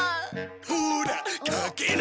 ほらかけろ！